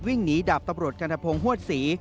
วิ่งหนีดาบตำรวจกัณฑพงศ์ฮวดศรี